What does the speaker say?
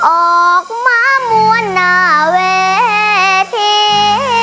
ออกมามวลหน้าเวที